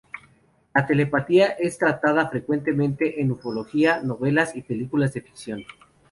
La telepatía es tratada frecuentemente en ufología, novelas y películas de ficción.